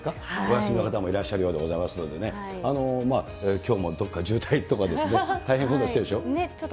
お休みの方もいらっしゃるようでございますのでね、きょうもどっか渋滞とかですね、大変混雑してるんでしょ。